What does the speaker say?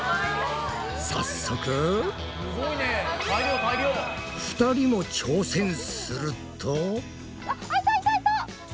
早速２人も挑戦すると。